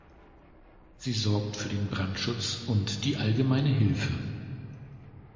Sie sorgt für den Brandschutz und die allgemeine Hilfe.